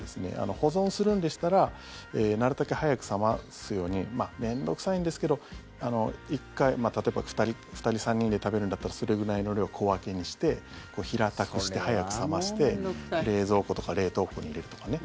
保存するんでしたらなるたけ早く冷ますように面倒臭いんですけど１回、例えば２人、３人で食べるんだったらそれぐらいの量を小分けにして平たくして早く冷まして冷蔵庫とか冷凍庫に入れるとかね。